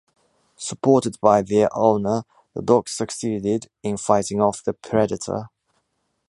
Supported by their owner the dogs succeeded in fighting off the predator.